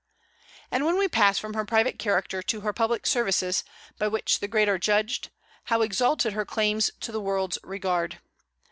And when we pass from her private character to her public services, by which the great are judged, how exalted her claims to the world's regard!